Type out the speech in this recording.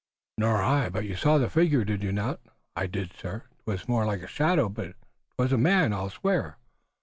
"Nor I, but you saw the figure, did you not?" "I did, sir. 'Twas more like a shadow, but 'twas a man, I'll swear."